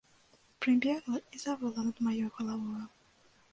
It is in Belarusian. Прыбегла і завыла над маёй галавою.